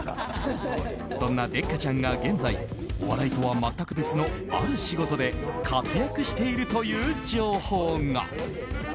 そんなデッカチャンが現在お笑いとは全く別のある仕事で活躍しているという情報が。